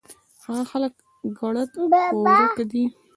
هغه خلک ګړد پوره دي